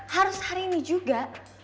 harus hari ini juga